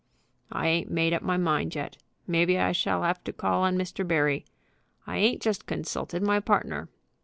"I ain't made up my mind yet. Maybe I shall have to call on Mr. Barry. I ain't just consulted my partner."